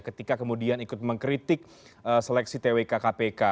ketika kemudian ikut mengkritik seleksi twk kpk